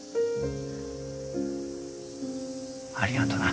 ありがとな。